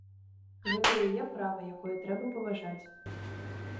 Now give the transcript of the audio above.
Гэта яе права, якое трэба паважаць.